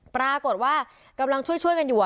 ปรากฏว่ากำลังช่วยกันอยู่